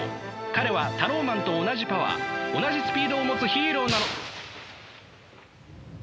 彼はタローマンと同じパワー同じスピードを持つヒーローなの。